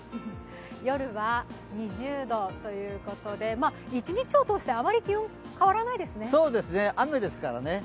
夜は２０度ということで、一日を通してあまり気温、変わらないですね。